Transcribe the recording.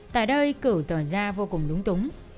tại đây cổ tỏ ra vô cùng lung tung